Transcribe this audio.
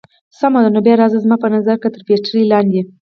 سمه ده، نو بیا راځئ، زما په نظر که تر پټلۍ لاندې.